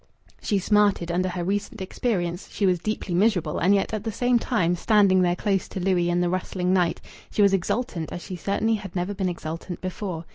She smarted under her recent experience; she was deeply miserable; and yet, at the same time, standing there close to Louis in the rustling night, she was exultant as she certainly had never been exultant before.